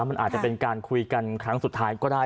มันอาจจะเป็นการคุยกันครั้งสุดท้ายก็ได้